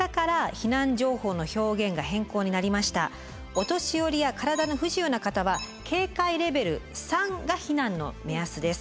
お年寄りや体の不自由な方は警戒レベル３が避難の目安です。